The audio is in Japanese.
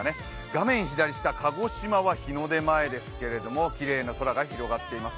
画面左下、鹿児島は日の出前ですけれどきれいな空が広がっています。